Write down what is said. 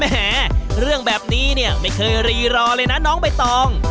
แหมเรื่องแบบนี้เนี่ยไม่เคยรีรอเลยนะน้องใบตอง